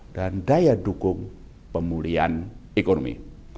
dan daya dukung pemulihan ekonomi